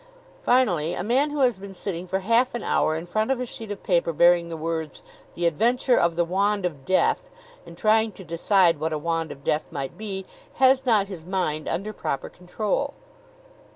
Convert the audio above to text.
Finally, a man who has been sitting for half an hour in front of a sheet of paper bearing the words: "The Adventure of the Wand of Death," and trying to decide what a wand of death might be, has not his mind under proper control.